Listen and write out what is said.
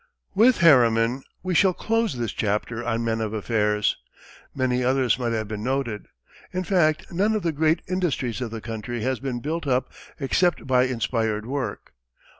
With Harriman we shall close this chapter on men of affairs. Many others might have been noted. In fact, none of the great industries of the country has been built up except by inspired work.